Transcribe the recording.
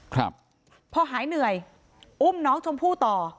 ครับพอหายเหนื่อยอุ้มน้องชมพู่ต่อ